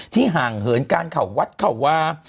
ห่างเหินการเข่าวัดเขาวา